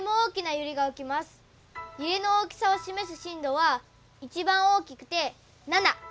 ゆれの大きさを示す震度は一番大きくて７。